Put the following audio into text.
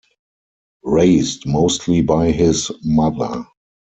Raised mostly by his mother.